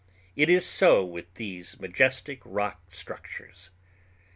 It is so with these majestic rock structures.